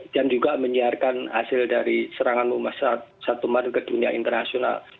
dan juga menyiarkan hasil dari serangan satu maret ke dunia internasional